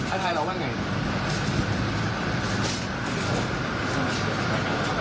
ลูกสาวหลายครั้งแล้วว่าไม่ได้คุยกับแจ๊บเลยลองฟังนะคะ